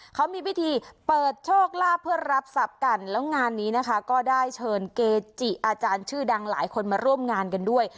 เขามีพิธีเปิดโชคลาภเพื่อรับทรัพย์กันแล้วงานนี้นะคะก็ได้เชิญเกจิอาจารย์ชื่อดังหลายคนมาร่วมงานกันด้วย